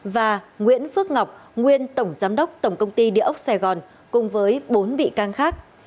và nguyễn phước ngọc nguyên tổng giám đốc tổng công ty địa ốc sài gòn cùng với bốn bị can khác